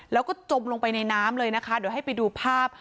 แล้วก็จมลงไปในน้ำเลยนะคะเดี๋ยวให้ไปดูภาพ